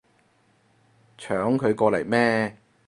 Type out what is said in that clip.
搶佢過嚟咩